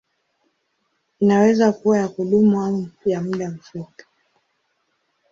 Inaweza kuwa ya kudumu au ya muda mfupi.